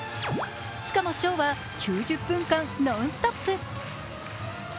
しかも、ショーは９０分間ノンストップ。